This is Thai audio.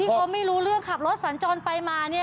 ที่เขาไม่รู้เรื่องขับรถสัญจรไปมาเนี่ย